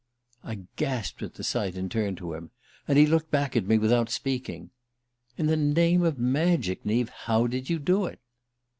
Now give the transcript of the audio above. I gasped at the sight and turned to him; and he looked back at me without speaking. "In the name of magic, Neave, how did you do it?"